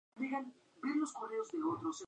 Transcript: Utilizó especialmente el collage.